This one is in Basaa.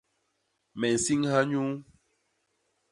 Me nsiñha nyuu.